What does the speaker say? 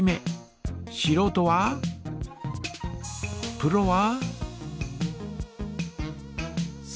プロは？